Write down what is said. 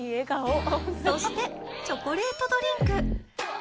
そして、チョコレートドリンク。